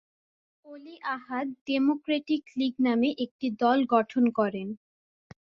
অলি Ahad democratic league নামে একটি দল গঠন করেন।